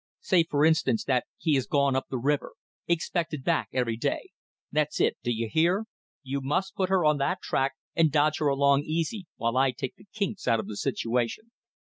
Say, for instance, that he is gone up the river. Expected back every day. That's it. D'ye hear? You must put her on that tack and dodge her along easy, while I take the kinks out of the situation.